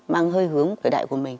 mang hơi hướng cửa đại của mình